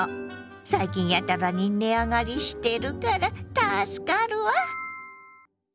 最近やたらに値上がりしてるから助かるわ！